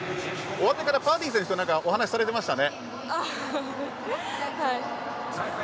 終わってからパーディ選手と話されていましたね。